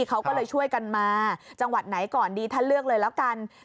เขาก็เลยช่วยกันมาจังหวัดไหนก่อนดีท่านเลือกเลยแล้วกัน